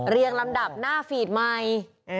เรียงลำดับหน้าฟีดใหม่